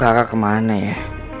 rara kemana ya